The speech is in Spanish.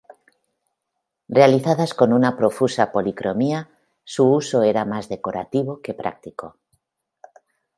Realizadas con una profusa policromía, su uso era más decorativo que práctico.